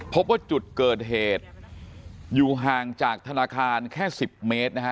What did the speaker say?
พบว่าจุดเกิดเหตุอยู่ห่างจากธนาคารแค่๑๐เมตรนะฮะ